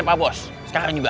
pak bos sekarang juga